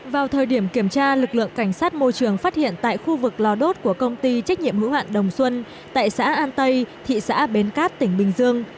vào thời điểm kiểm tra lực lượng cảnh sát môi trường phát hiện tại khu vực lò đốt của công ty trách nhiệm hữu hạn đồng xuân tại xã an tây thị xã bến cát tỉnh bình dương